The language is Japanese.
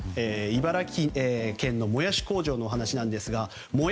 茨城県のモヤシ工場の話ですが。